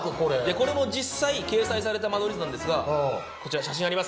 これも実際掲載された間取り図なんですがこちら写真あります。